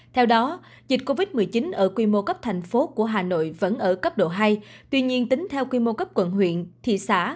theo đó dịch covid một mươi chín ở quy mô cấp thành phố của hà nội vẫn ở cấp độ hai tuy nhiên tính theo quy mô cấp quận huyện thị xã